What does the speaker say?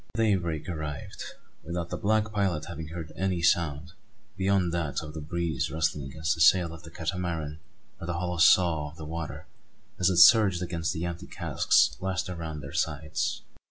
Daybreak arrived without the black pilot having heard any sound, beyond that of the breeze rustling against the sail of the Catamaran or the hollow "sough" of the water as it surged against the empty casks lashed along their sides.